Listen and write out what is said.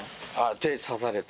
手刺されて。